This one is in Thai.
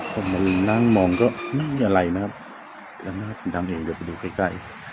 ผมมานั่งมองก็นี่อะไรนะครับลานาทดังเองเดี๋ยวไปดูใกล้ใกล้